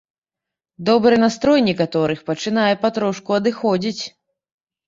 Добры настрой некаторых пачынае патрошку адыходзіць.